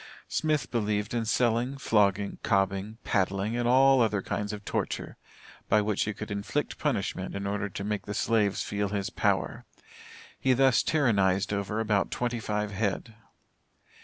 Smith believed in selling, flogging, cobbing, paddling, and all other kinds of torture, by which he could inflict punishment in order to make the slaves feel his power. He thus tyrannized over about twenty five head.